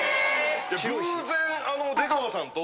偶然出川さんと。